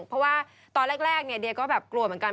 เพราะว่าตอนแรกเนี่ยเดียก็แบบกลัวเหมือนกัน